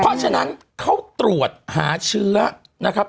เพราะฉะนั้นเขาตรวจหาเชื้อนะครับ